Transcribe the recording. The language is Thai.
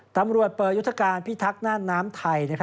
ตำรวจเปิดยุทธการพิทักษ่านน้ำไทย